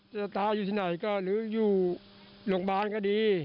จะตายอยู่ที่ไหนก็หรืออยู่โรงพยาบาลก็ดี